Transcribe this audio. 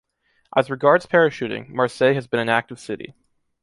As regards parachuting, Marseille has been an active city.